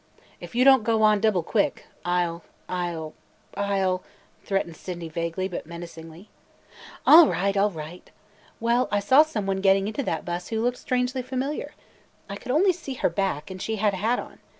"If you don't go on – double quick – I 'll – I 'll – I 'll –" threatened Sydney vaguely but menacingly. "All right – all right! Well, I saw some one getting into that bus who looked strangely familiar. I could only see her back and she had a hat on.